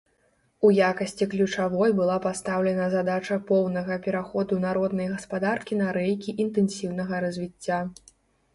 У якасці ключавой была пастаўлена задача поўнага пераходу народнай гаспадаркі на рэйкі інтэнсіўнага развіцця.